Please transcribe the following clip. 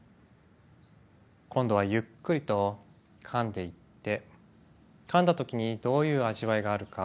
今度はゆっくりとかんでいってかんだ時にどういう味わいがあるか